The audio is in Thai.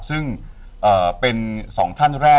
สวัสดีครับ